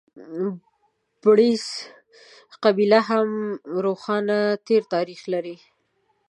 بړېڅ قبیله هم روښانه تېر تاریخ لري.